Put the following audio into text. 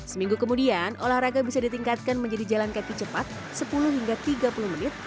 seminggu kemudian olahraga bisa ditingkatkan menjadi jalan kaki cepat sepuluh hingga tiga puluh menit